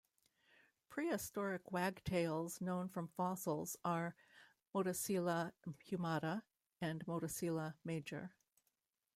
Prehistoric wagtails known from fossils are "Motacilla humata" and "Motacilla major".